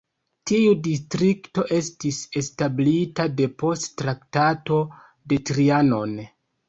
Tiu distrikto estis establita depost Traktato de Trianon.